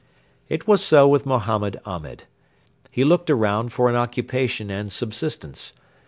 It was so with Mohammed Ahmed. He looked around for an occupation and subsistence.